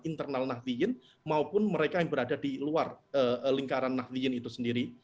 internal nahdiyin maupun mereka yang berada di luar lingkaran nahdiyin itu sendiri